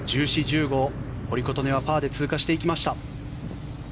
１４、１５、堀琴音はパーで通過していきました。